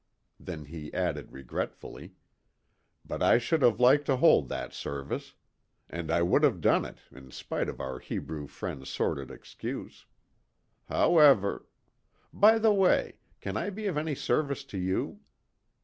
Then he added regretfully: "But I should have liked to hold that service. And I would have done it, in spite of our Hebrew friend's sordid excuse. However By the way, can I be of any service to you?"